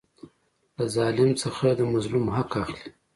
له ظالم څخه د مظلوم حق اخلي.